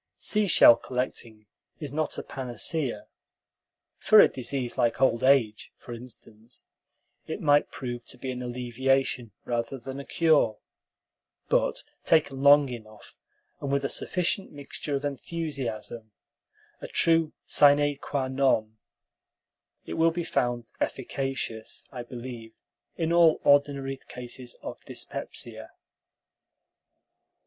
Seashell collecting is not a panacea. For a disease like old age, for instance, it might prove to be an alleviation rather than a cure; but taken long enough, and with a sufficient mixture of enthusiasm, a true sine qua non, it will be found efficacious, I believe, in all ordinary cases of dyspepsia.